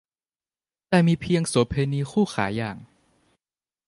แต่มีเพียงโสเภณีคู่ขาอย่าง